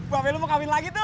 babe lo mau kawin lagi tuh